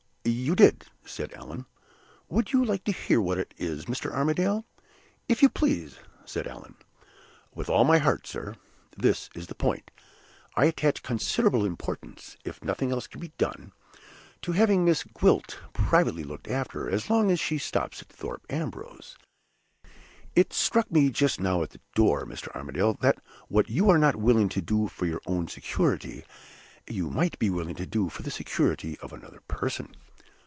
"You did," said Allan. "Would you like to hear what it is, Mr. Armadale?" "If you please," said Allan. "With all my heart, sir! This is the point. I attach considerable importance if nothing else can be done to having Miss Gwilt privately looked after, as long as she stops at Thorpe Ambrose. It struck me just now at the door, Mr. Armadale, that what you are not willing to do for your own security, you might be willing to do for the security of another person."